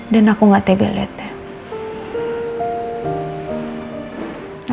dan aku gak tergolong lihatnya